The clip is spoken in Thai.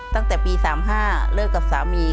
ตั้งแต่ปี๓๕เลิกกับสามี